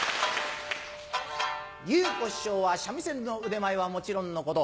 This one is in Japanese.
祐子師匠は三味線の腕前はもちろんのこと